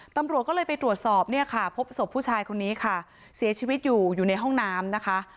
ตำรวจก็เลยไปตรวจสอบเนี่ยค่ะพบศพผู้ชายคนนี้ค่ะเสียชีวิตอยู่อยู่ในห้องน้ำนะคะ